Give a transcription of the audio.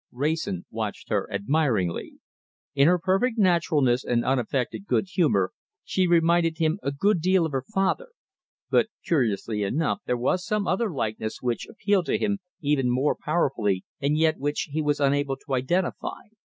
Wrayson watched her admiringly. In her perfect naturalness and unaffected good humour, she reminded him a good deal of her father, but curiously enough there was some other likeness which appealed to him even more powerfully, and yet which he was unable to identify.